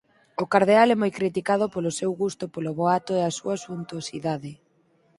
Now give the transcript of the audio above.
O cardeal é moi criticado polo seu gusto polo boato e a suntuosidade.